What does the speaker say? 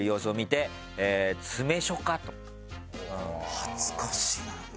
恥ずかしいなんか。